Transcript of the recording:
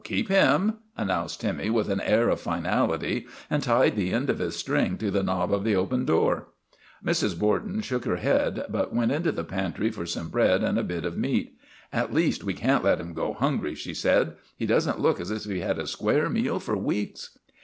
" Keep him," announced Timmy with an air of finality, and tied the end of his string to the knob of the open door. Mrs. Borden shook her head but went into the pantry for some bread and a bit of meat. ' At least we can't let him go hungry," she said. " He does n't look as if he 'd had a square meal for weeks."